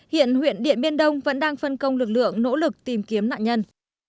hiện huyện điện biên đông vẫn đang phân công lực lượng nỗ lực tìm kiếm nạn nhân